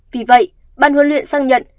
vì vậy ban huấn luyện xác nhận